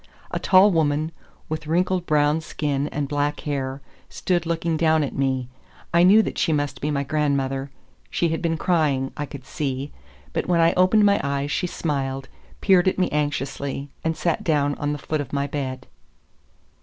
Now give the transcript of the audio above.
A tall woman, with wrinkled brown skin and black hair, stood looking down at me; I knew that she must be my grandmother. She had been crying, I could see, but when I opened my eyes she smiled, peered at me anxiously, and sat down on the foot of my bed.